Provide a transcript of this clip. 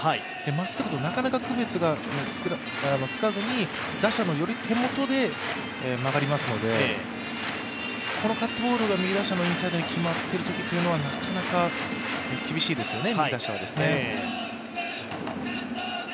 まっすぐとなかなか区別がつかずに打者のより手元で曲がりますので、このカットボールが右打者のインサイドに決まっているときというのは右打者はなかなか厳しいですよね。